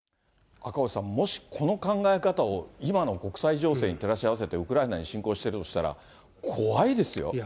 赤星さん、もしこの考え方を今の国際情勢に照らし合わせて、ウクライナ侵攻しているとしたら、怖いですよ。